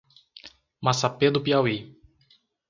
Massapê do Piauí